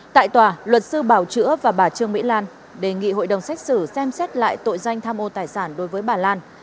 tại tòa luật sư bảo chữa và bà trương mỹ lan đề nghị hội đồng xét xử xem xét lại tội danh tham ô tài sản đối với bà lan